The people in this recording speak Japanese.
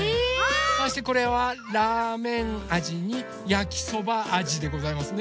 そしてこれはラーメンあじにやきそばあじでございますね。